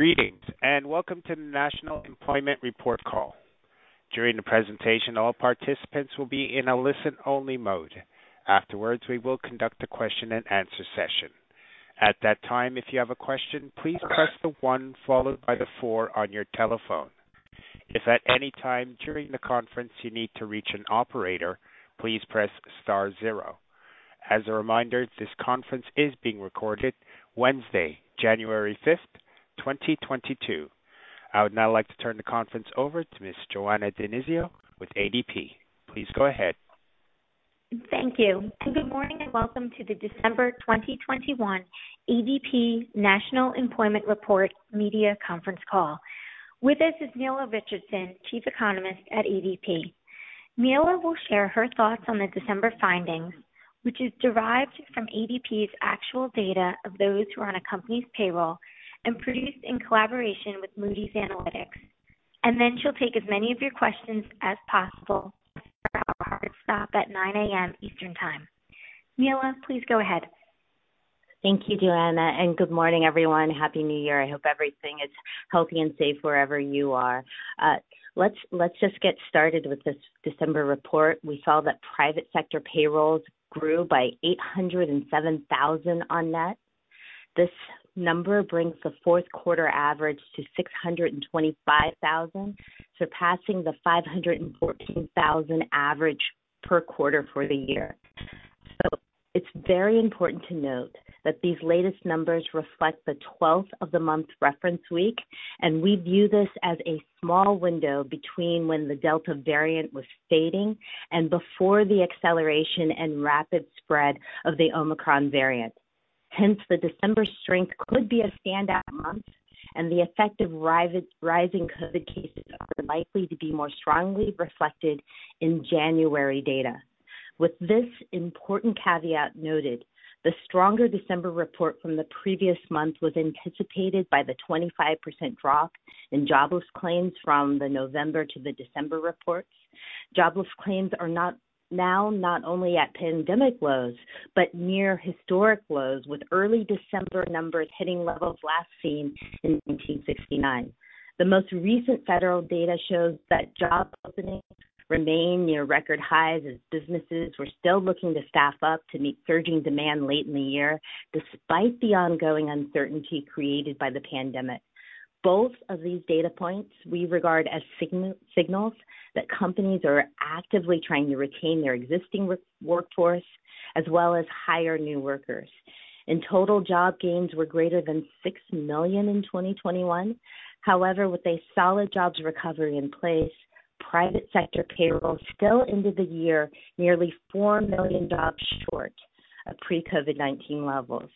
Greetings and welcome to the National Employment Report call. During the presentation, all participants will be in a listen-only mode. Afterwards, we will conduct a question and answer session. At that time, if you have a question, please press the one followed by the four on your telephone. If at any time during the conference you need to reach an operator, please press star zero. As a reminder, this conference is being recorded Wednesday, January 5th, 2022. I would now like to turn the conference over to Miss Joanna DiNizio with ADP. Please go ahead. Thank you. Good morning and welcome to the December 2021 ADP National Employment Report Media Conference call. With us is Nela Richardson, Chief Economist at ADP. Nela will share her thoughts on the December findings, which is derived from ADP's actual data of those who are on a company's payroll and produced in collaboration with Moody's Analytics. Then she'll take as many of your questions as possible. Stop at 9:00 A.M. Eastern Time. Nela, please go ahead. Thank you, Joanna, and good morning everyone. Happy New Year. I hope everything is healthy and safe wherever you are. Let's just get started with this December report. We saw that private sector payrolls grew by 807,000 on net. This number brings the fourth quarter average to 625,000, surpassing the 514,000 average per quarter for the year. It's very important to note that these latest numbers reflect the 12th of the month reference week, and we view this as a small window between when the Delta variant was fading and before the acceleration and rapid spread of the Omicron variant. Hence, the December strength could be a standout month, and the effect of rising COVID cases are likely to be more strongly reflected in January data. With this important caveat noted, the stronger December report from the previous month was anticipated by the 25% drop in jobless claims from the November to the December reports. Jobless claims are now not only at pandemic lows, but near historic lows, with early December numbers hitting levels last seen in 1969. The most recent federal data shows that job openings remain near record highs as businesses were still looking to staff up to meet surging demand late in the year despite the ongoing uncertainty created by the pandemic. Both of these data points we regard as signals that companies are actively trying to retain their existing workforce as well as hire new workers. In total, job gains were greater than 6 million in 2021. However, with a solid jobs recovery in place, private sector payrolls still ended the year nearly 4 million jobs short of pre-COVID-19 levels.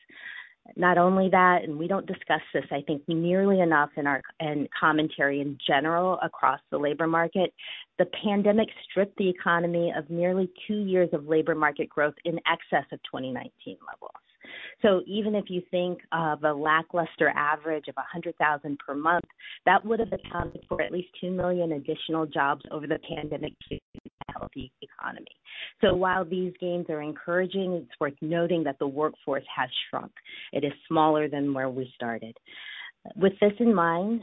Not only that, we don't discuss this, I think nearly enough in commentary in general across the labor market. The pandemic stripped the economy of nearly two years of labor market growth in excess of 2019 levels. Even if you think of a lackluster average of 100,000 per month, that would've accounted for at least 2 million additional jobs over the pandemic economy. While these gains are encouraging, it's worth noting that the workforce has shrunk. It is smaller than where we started. With this in mind,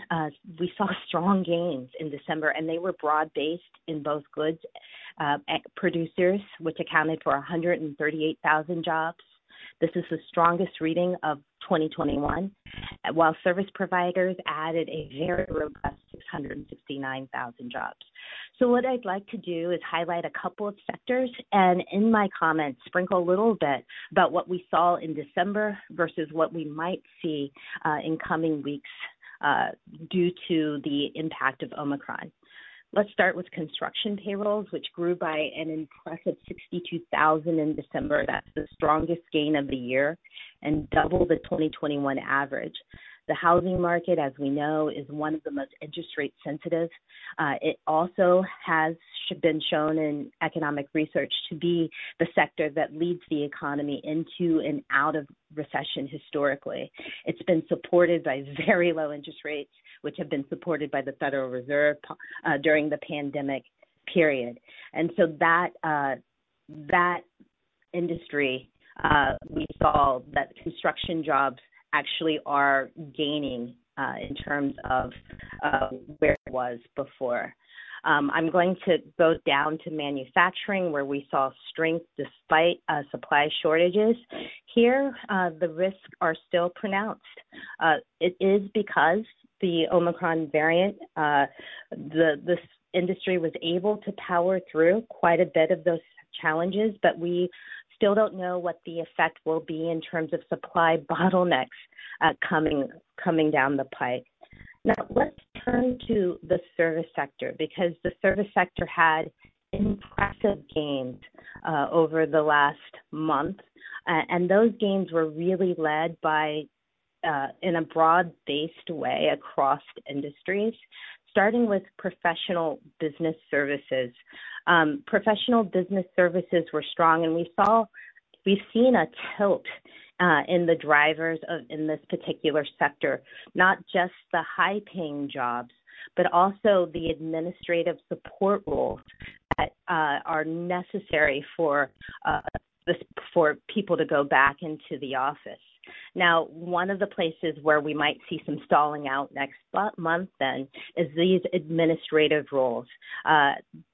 we saw strong gains in December, and they were broad-based in both goods producers, which accounted for 138,000 jobs. This is the strongest reading of 2021. While service providers added a very robust 669,000 jobs. What I'd like to do is highlight a couple of sectors and in my comments sprinkle a little bit about what we saw in December versus what we might see in coming weeks due to the impact of Omicron. Let's start with construction payrolls, which grew by an impressive 62,000 in December. That's the strongest gain of the year and double the 2021 average. The housing market, as we know, is one of the most interest rate sensitive. It also has been shown in economic research to be the sector that leads the economy into and out of recession historically. It's been supported by very low interest rates which have been supported by the Federal Reserve during the pandemic period. That industry, we saw that construction jobs actually are gaining in terms of where it was before. I'm going to go down to manufacturing, where we saw strength despite supply shortages. Here, the risks are still pronounced. It is because the Omicron variant this industry was able to power through quite a bit of those challenges, but we still don't know what the effect will be in terms of supply bottlenecks coming down the pike. Now let's turn to the service sector, because the service sector had impressive gains over the last month. Those gains were really led by in a broad-based way across industries, starting with professional business services. Professional business services were strong, and we've seen a tilt in the drivers of this particular sector. Not just the high-paying jobs, but also the administrative support roles that are necessary for this, for people to go back into the office. Now, one of the places where we might see some stalling out next month is these administrative roles,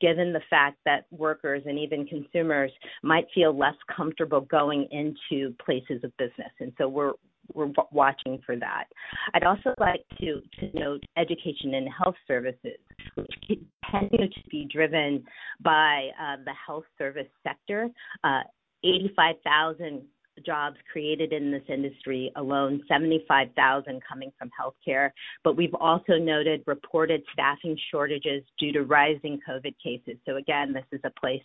given the fact that workers and even consumers might feel less comfortable going into places of business, and so we're watching for that. I'd also like to note education and health services, which continue to be driven by the health service sector. 85,000 jobs created in this industry alone, 75,000 coming from healthcare. But we've also noted reported staffing shortages due to rising COVID cases. Again, this is a place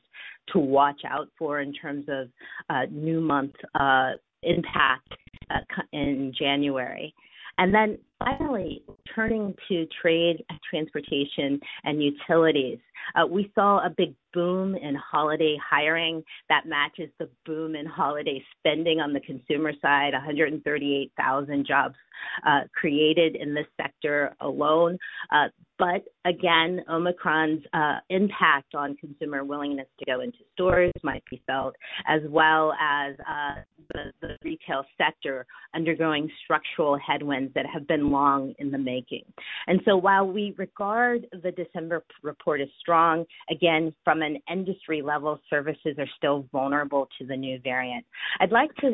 to watch out for in terms of new month impact, see in January. Finally, turning to trade, transportation, and utilities. We saw a big boom in holiday hiring that matches the boom in holiday spending on the consumer side, 138,000 jobs created in this sector alone. Again, Omicron's impact on consumer willingness to go into stores might be felt, as well as the retail sector undergoing structural headwinds that have been long in the making. While we regard the December report as strong, again from an industry level, services are still vulnerable to the new variant. I'd like to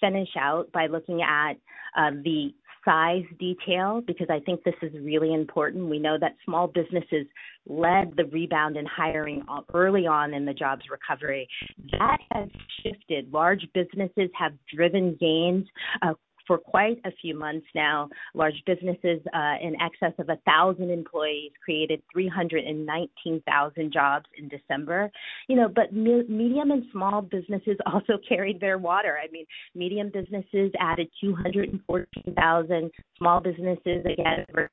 finish out by looking at the size detail because I think this is really important. We know that small businesses led the rebound in hiring early on in the jobs recovery. That has shifted. Large businesses have driven gains for quite a few months now. Large businesses in excess of 1,000 employees created 319,000 jobs in December. You know, medium and small businesses also carried their water. I mean, medium businesses added 214,000. Small businesses, again, over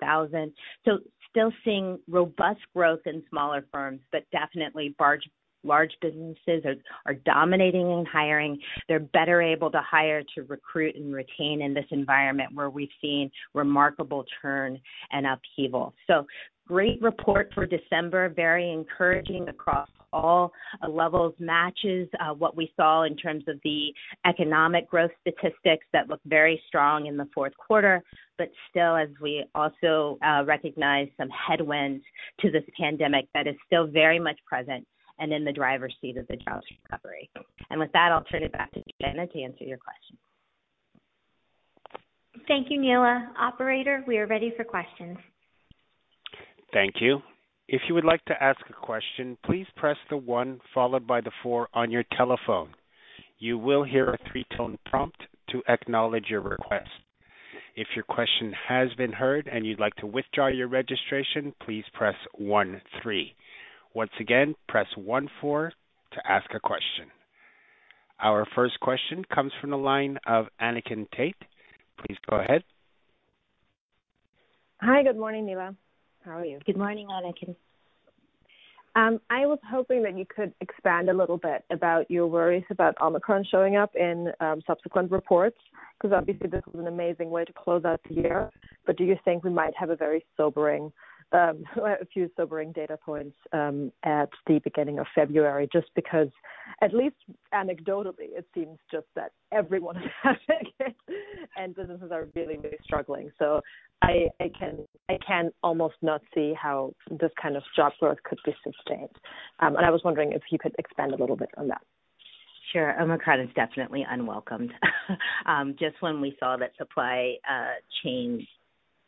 100,000. Still seeing robust growth in smaller firms, but definitely large businesses are dominating in hiring. They're better able to hire, to recruit, and retain in this environment where we've seen remarkable turnover and upheaval. Great report for December, very encouraging across all levels, matches what we saw in terms of the economic growth statistics that look very strong in the fourth quarter. Still as we also recognize some headwinds to this pandemic that is still very much present and in the driver's seat of the jobs recovery. With that, I'll turn it back to Joanna DiNizio to answer your questions. Thank you, Nela. Operator, we are ready for questions. Thank you. If you would like to ask a question, please press the one followed by the four on your telephone. You will hear a three-tone prompt to acknowledge your request. If your question has been heard and you'd like to withdraw your registration, please press one three. Once again, press one four to ask a question. Our first question comes from the line of Anneken Tappe. Please go ahead. Hi. Good morning, Nela. How are you? Good morning, Anneken. I was hoping that you could expand a little bit about your worries about Omicron showing up in subsequent reports, 'cause obviously this was an amazing way to close out the year. Do you think we might have a very sobering few data points at the beginning of February? Just because at least anecdotally, it seems just that everyone is having it and businesses are really, really struggling. I can almost not see how this kind of job growth could be sustained. I was wondering if you could expand a little bit on that. Sure. Omicron is definitely unwelcome. Just when we saw that supply chain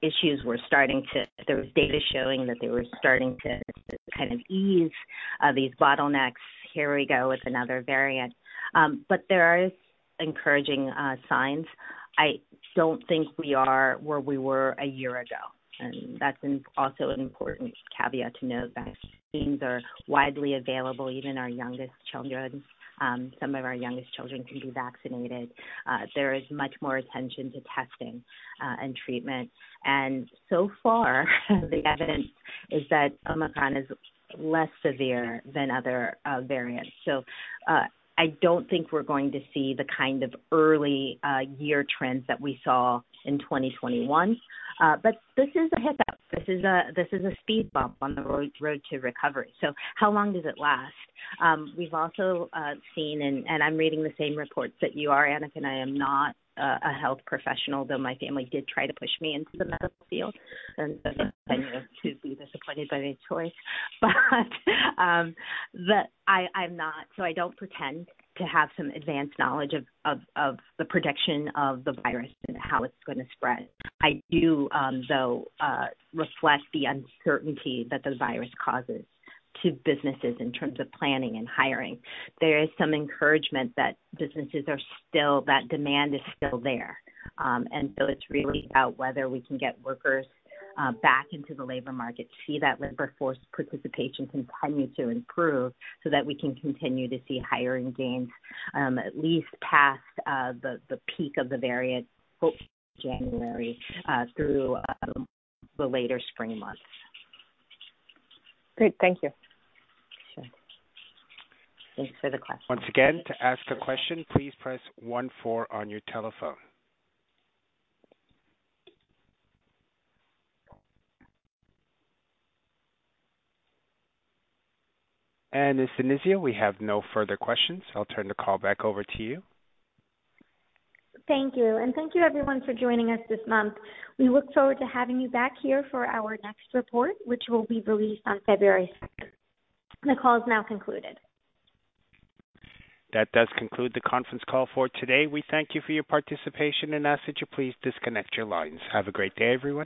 issues were starting to, there was data showing that they were starting to kind of ease these bottlenecks, here we go with another variant. There is encouraging signs. I don't think we are where we were a year ago, and that's also an important caveat to note that vaccines are widely available. Even some of our youngest children can be vaccinated. There is much more attention to testing and treatment. So far, the evidence is that Omicron is less severe than other variants. I don't think we're going to see the kind of early year trends that we saw in 2021. This is a hiccup. This is a speed bump on the road to recovery. How long does it last? We've also seen, and I'm reading the same reports that you are, Anneken. I am not a health professional, though my family did try to push me into the medical field. They continue to be disappointed by my choice. I'm not. I don't pretend to have some advanced knowledge of the projection of the virus and how it's gonna spread. I do, though, reflect the uncertainty that the virus causes to businesses in terms of planning and hiring. There is some encouragement that demand is still there. It's really about whether we can get workers back into the labor market, see that labor force participation continue to improve so that we can continue to see hiring gains, at least past the peak of the variant, hopefully January through the later spring months. Great. Thank you. Sure. Thanks for the question. Once again, to ask a question, please press one-four on your telephone. Ms. DiNizio, we have no further questions. I'll turn the call back over to you. Thank you. Thank you everyone for joining us this month. We look forward to having you back here for our next report, which will be released on February second. The call is now concluded. That does conclude the conference call for today. We thank you for your participation and ask that you please disconnect your lines. Have a great day, everyone.